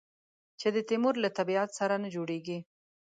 چې د تیمور له طبیعت سره نه جوړېږي.